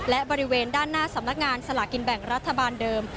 และบริเวณด้านหน้าสำนักงานสลากินแบ่งรัฐบาลเดิม